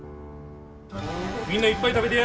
みんないっぱい食べてや！